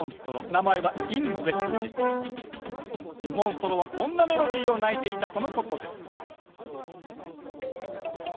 名前はモンストロはこんなメロディーを鳴いていたとのことです